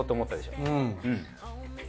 うん。